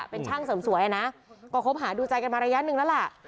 เป็นช่างเสริมสวยนะก็คบหาดูใจกันมาระยะหนึ่งแล้วล่ะ